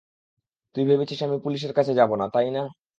তুই ভেবেছিস আমি পুলিশের কাছে যাবো না, তাই না?